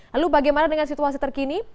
lalu bagaimana dengan situasi terkini